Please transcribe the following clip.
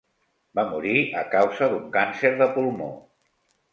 Va morir a causa d'un càncer de pulmó.